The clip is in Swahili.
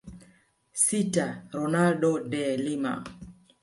Sita Ronaldo de Lima